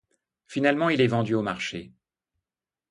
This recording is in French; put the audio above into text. Finalement, il est vendu au marché.